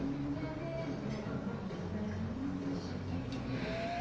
うん！